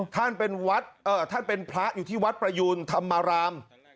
ท่านเป็นวัดท่านเป็นพระอยู่ที่วัดประยูนธรรมราม